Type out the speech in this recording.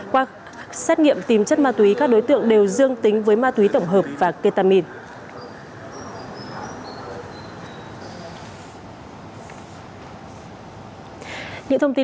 qua xét nghiệm tìm chất ma túy các đối tượng đều dương tính với ma túy tổng hợp và ketamin